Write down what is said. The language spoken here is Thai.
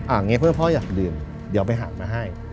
อย่างนี้เพื่อพ่ออยากดื่มเดี๋ยวไปหักมาให้